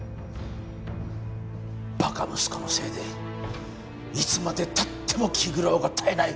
バカ息子のせいでいつまで経っても気苦労が絶えない。